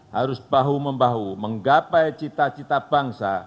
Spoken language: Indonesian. harus bahu membahu menggapai cita cita bangsa